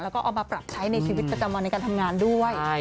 แล้วก็เอามาปรับใช้ในชีวิตประจำวันในการทำงานด้วย